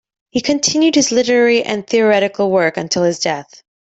He continued his literary and theoretical work until his death.